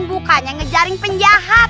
bukannya ngejaring penjahat